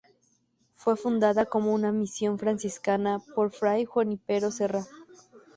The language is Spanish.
Fue fundada como una misión franciscana por Fray Junípero Serra.